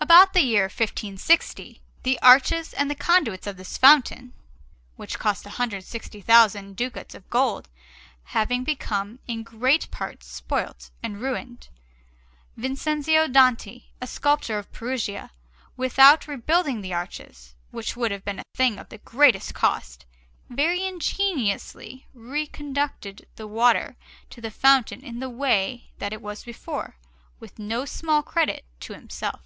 About the year 1560, the arches and the conduits of this fountain (which cost 160,000 ducats of gold) having become in great part spoilt and ruined, Vincenzio Danti, a sculptor of Perugia, without rebuilding the arches, which would have been a thing of the greatest cost, very ingeniously reconducted the water to the fountain in the way that it was before, with no small credit to himself.